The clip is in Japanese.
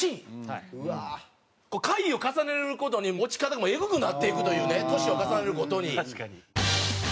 回を重ねるごとに落ち方もえぐくなっていくというね年を重ねるごとに。